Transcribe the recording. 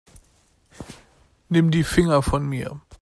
Nimm die Finger von mir.